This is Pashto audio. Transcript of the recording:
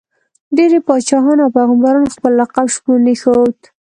ډېری پاچاهانو او پيغمبرانو خپل لقب شپون ایښود.